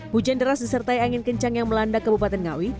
hujan deras disertai angin kencang yang melanda kabupaten ngawi